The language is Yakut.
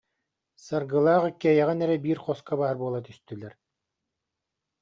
Саргылаах иккиэйэҕин эрэ биир хоско баар буола түстүлэр